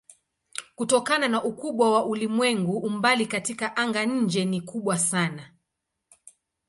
Kutokana na ukubwa wa ulimwengu umbali katika anga-nje ni kubwa sana.